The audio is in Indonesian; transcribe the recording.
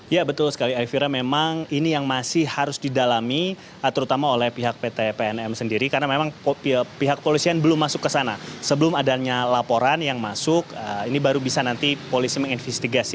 ya betul sekali elvira memang ini yang masih harus didalami terutama oleh pihak pt pnm sendiri karena memang pihak kepolisian belum masuk ke sana sebelum adanya laporan yang masuk ini baru bisa nanti polisi menginvestigasi